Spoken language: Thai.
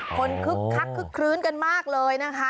คนคึกคลึ้นกันมากเลยนะคะ